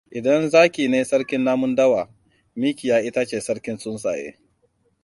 Idan zaki ne sarkin namun dawa, mikiya ita ce sarkin tsuntsaye.